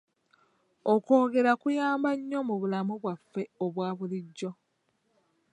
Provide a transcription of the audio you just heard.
Okwogera kuyamba nnyo mu bulamu bwaffe obwa bulijjo.